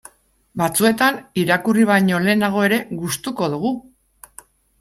Batzuetan irakurri baino lehenago ere gustuko dugu.